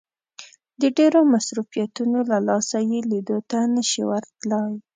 د ډېرو مصروفيتونو له لاسه يې ليدو ته نه شي ورتلای.